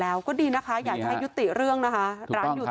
มันก็เลยกลายเป็นว่าเหมือนกับยกพวกมาตีกัน